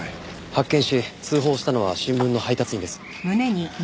発見し通報したのは新聞の配達員です。